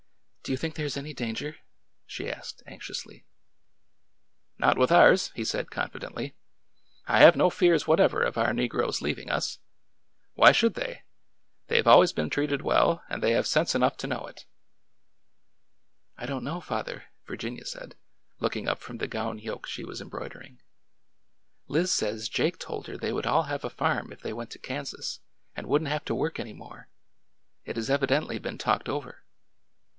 Do you think there is any danger ?" she asked anxiously. '' Not with ours," he said confidently. I have no fears whatever of our negroes leaving us. Why should they ? They have always been treated well, and they have sense enough to know it." '' I don't know, father," Virginia said, looking up from the gown yoke she was embroidering. " Liz says Jake told her they would all have a farm if they went to Kan sas, and wouldn't have to work any more. It has evi dently been talked over."